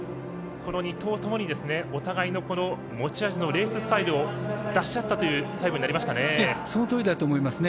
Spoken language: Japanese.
この２頭ともにお互いの持ち味のレーススタイルを出し合ったという最後になりましたね。